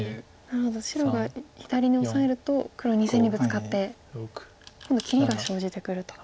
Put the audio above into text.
なるほど白が左にオサえると黒２線にブツカって今度切りが生じてくると。